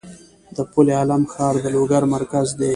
د پل علم ښار د لوګر مرکز دی